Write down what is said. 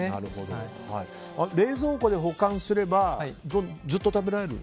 冷蔵庫で保管すればずっと食べられる？